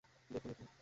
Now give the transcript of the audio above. দেখুন, এখানে।